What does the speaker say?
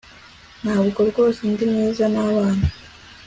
Ntabwo rwose ndi mwiza nabana